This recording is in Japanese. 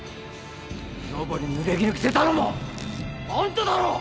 女房にぬれぎぬ着せたのもあんただろう！